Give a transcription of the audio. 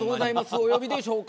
「お呼びでしょうか？」。